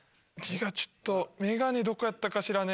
ちょっとメガネどこやったかしらね？